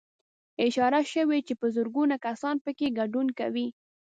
اشاره شوې چې په زرګونه کسان پکې ګډون کوي